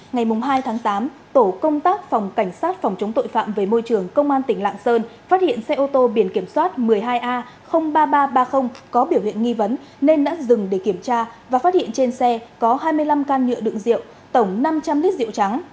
ngày hai tháng tám tổ công tác phòng cảnh sát phòng chống tội phạm về môi trường công an tỉnh lạng sơn phát hiện xe ô tô biển kiểm soát một mươi hai a ba nghìn ba trăm ba mươi có biểu hiện nghi vấn nên đã dừng để kiểm tra và phát hiện trên xe có hai mươi năm can nhựa đựng rượu tổng năm trăm linh lít rượu trắng